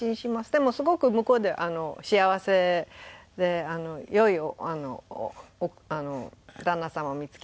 でもすごく向こうで幸せで良い旦那様を見付けて。